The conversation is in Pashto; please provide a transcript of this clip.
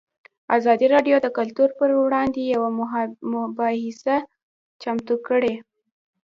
ازادي راډیو د کلتور پر وړاندې یوه مباحثه چمتو کړې.